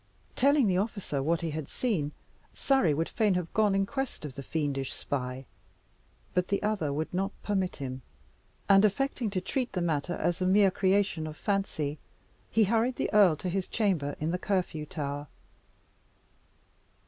Telling the officer what he had seen, Surrey would fain have gone in quest of the fiendish spy; but the other would not permit him; and affecting to treat the matter as a mere creation of fancy, he hurried the earl to his chamber in the Curfew Tower.